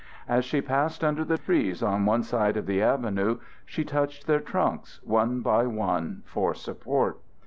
As she passed under the trees on one side of the avenue she touched their trunks one by one for support.